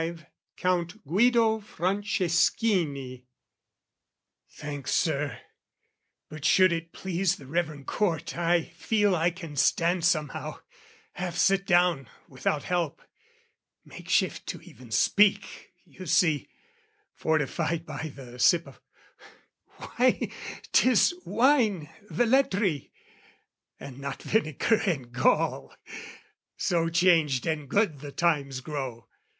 V Count Guido Franceschini Thanks, Sir, but, should it please the reverend Court, I feel I can stand somehow, half sit down Without help, make shift to even speak, you see, Fortified by the sip of...why, 'tis wine, Velletri, and not vinegar and gall, So changed and good the times grow!